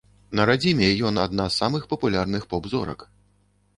На радзіме ён адна з самых папулярных поп-зорак.